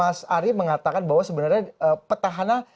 tapi kalau tadi mas ari mengatakan bahwa sebenarnya petahana